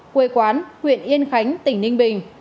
quê quán huyện yên khánh tỉnh ninh bình